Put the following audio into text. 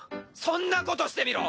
そんなことしてみろ！